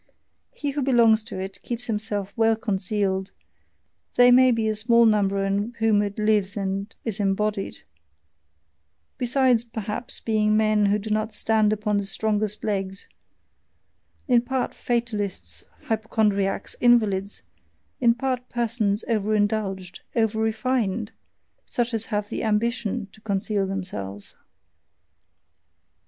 He who belongs to it keeps himself well concealed: they may be a small number in whom it lives and is embodied, besides perhaps being men who do not stand upon the strongest legs, in part fatalists, hypochondriacs, invalids, in part persons over indulged, over refined, such as have the AMBITION to conceal themselves.